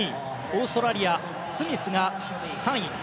オーストラリア、スミスが３位。